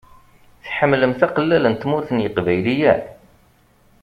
Tḥemmlemt aqellal n Tmurt n yeqbayliyen?